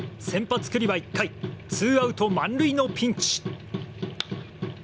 先発、九里は１回ツーアウト満塁のピンチ。